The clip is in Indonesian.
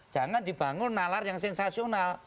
jangan dibangun nalar yang sensasional